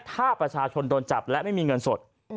ถ้าประชาชนโดนจับและไม่มีเงินสด